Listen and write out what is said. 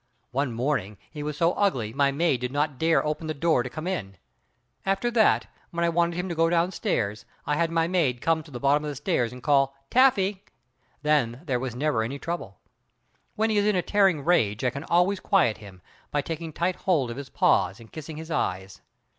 One morning he was so ugly my maid did not dare open the door to come in. After that when I wanted him to go down stairs, I had my maid come to the bottom of the stairs and call "Taffy!" then there was never any trouble. When he is in a tearing rage I can always quiet him, by taking tight hold of his paws, and kissing his eyes.